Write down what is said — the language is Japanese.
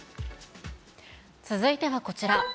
続いてはこちら。